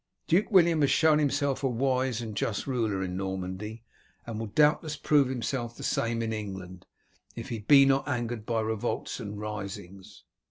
Duke William has shown himself a wise and just ruler in Normandy, and will doubtless prove himself the same in England if he be not angered by revolts and risings.